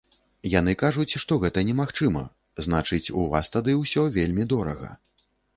Яны кажуць, што гэта немагчыма, значыць, у вас тады ўсё вельмі дорага.